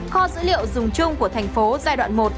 kho dữ liệu dùng chung của thành phố giai đoạn một